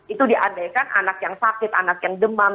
itu diandaikan anak yang sakit anak yang demam